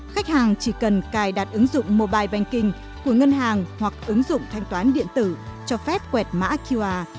khách hàng chỉ cần cài đặt ứng dụng mobile banking của ngân hàng hoặc ứng dụng thanh toán điện tử cho phép quẹt mã qr